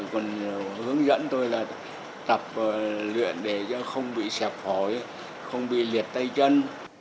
còn hướng dẫn tôi là tập luyện để không bị sẹp phổi không bị liệt tay chân